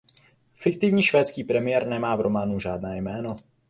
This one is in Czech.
Fiktivní švédský premiér nemá v románu žádné jméno.